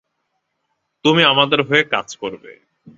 তুমি আমাদের হয়ে কাজ করবে।